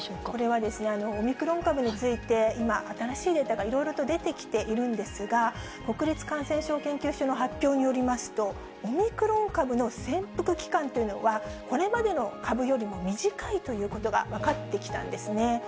これはオミクロン株について今、新しいデータがいろいろと出てきているんですが、国立感染症研究所の発表によりますと、オミクロン株の潜伏期間というのはこれまでの株よりも短いということが分かってきたんですね。